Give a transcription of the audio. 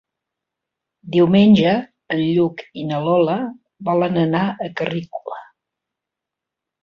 Diumenge en Lluc i na Lola volen anar a Carrícola.